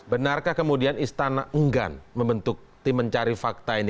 benarkah kemudian istana enggan membentuk tim mencari fakta ini